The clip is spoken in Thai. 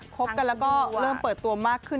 คบกันแล้วก็เริ่มเปิดตัวมากขึ้น